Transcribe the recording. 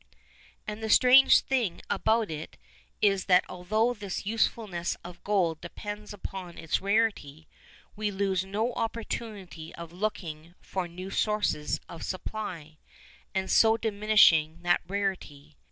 And the strange thing about it is that although this usefulness of gold depends upon its rarity, we lose no opportunity of looking for new sources of supply, and so diminishing that rarity.